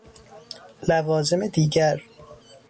لوازم دیگر: